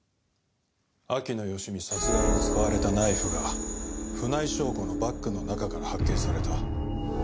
秋野芳美殺害に使われたナイフが船井翔子のバッグの中から発見された。